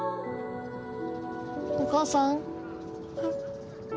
お母さん？